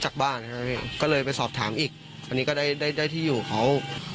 เขาก็เลยไปสอบถามอีกอันนี้ก็ได้ที่อยู่เขา